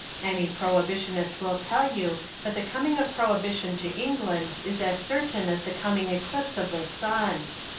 Any prohibitionist will tell you that the coming of prohibition to England is as certain as the coming eclipse of the sun.